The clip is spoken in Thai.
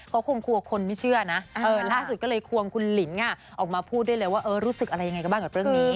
ก็คงควรคนไม่เชื่อนะล่าสุดก็เลยควรคุณลินออกมาพูดด้วยเลยว่ารู้สึกอะไรยังไงกับเรื่องนี้